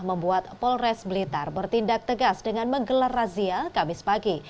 membuat polres blitar bertindak tegas dengan menggelar razia kamis pagi